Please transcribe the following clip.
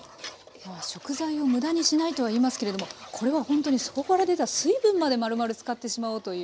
今は食材を無駄にしないとはいいますけれどもこれはほんとに底から出た水分までまるまる使ってしまおうという。